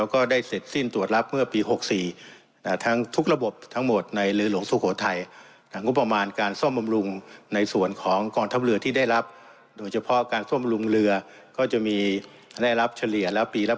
ข้อมาติช่วย